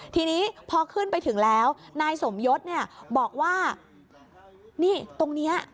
ทีนี้พอขึ้นไปถึงแล้วนายสมยศเนี่ยบอกว่านี่ตรงนี้